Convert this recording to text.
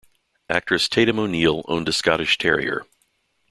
Actress Tatum O'Neal owned a Scottish Terrier.